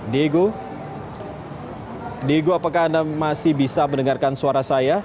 diego diego apakah anda masih bisa mendengarkan suara saya